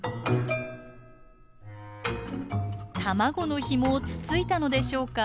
卵のヒモをつついたのでしょうか。